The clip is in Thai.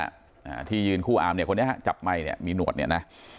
อ่าที่ยืนคู่อามเนี่ยคนนี้ฮะจับไมค์เนี้ยมีหนวดเนี่ยนะ